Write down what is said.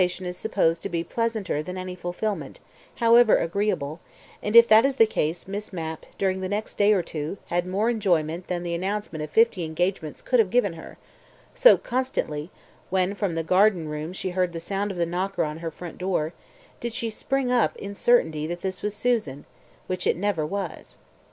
Anticipation is supposed to be pleasanter than any fulfilment, however agreeable, and if that is the case, Miss Mapp during the next day or two had more enjoyment than the announcement of fifty engagements could have given her, so constantly (when from the garden room she heard the sound of the knocker on her front door) did she spring up in certainty that this was Susan, which it never was.